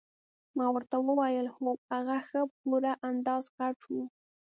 ما ورته وویل هو هغه ښه په پوره اندازه غټ وو.